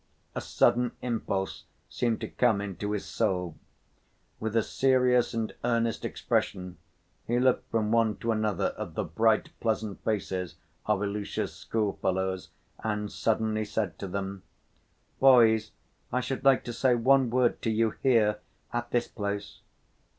A sudden impulse seemed to come into his soul. With a serious and earnest expression he looked from one to another of the bright, pleasant faces of Ilusha's schoolfellows, and suddenly said to them: "Boys, I should like to say one word to you, here at this place."